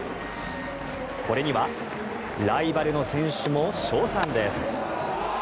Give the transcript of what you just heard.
これにはライバルの選手も称賛です。